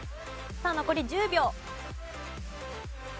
さあ残り１０秒。